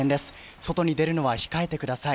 外に出るのは控えてください。